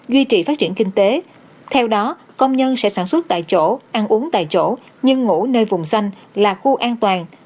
duy trì phát triển kinh tế theo đó công nhân sẽ sản xuất tại chỗ ăn uống tại chỗ nhưng ngủ nơi vùng xanh là khu an toàn